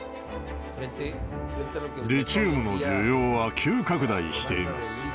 リチウムの需要は急拡大しています。